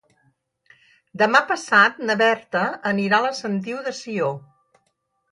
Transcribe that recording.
Demà passat na Berta anirà a la Sentiu de Sió.